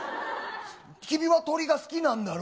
君は鳥が好きなんだろ？